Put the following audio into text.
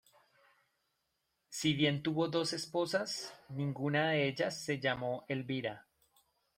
Si bien tuvo dos esposas, ninguna de ellas se llamó Elvira.